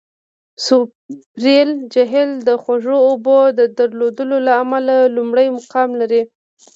سوپریر جهیل د خوږو اوبو د درلودلو له امله لومړی مقام لري.